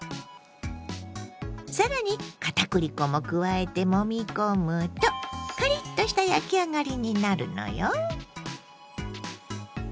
更に片栗粉も加えてもみ込むとカリッとした焼き上がりになるのよ。